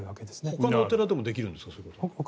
ほかのお寺でもできるんですか？